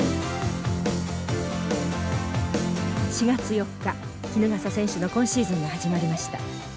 ４月４日衣笠選手の今シーズンが始まりました。